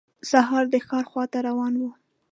سهار به د ښار خواته روان و.